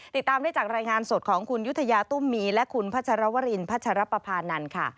ติดตามได้จากรายงานสดของคุณยุธยาตุ้มมีและคุณพัชรวรินพัชรปภานันทร์ค่ะ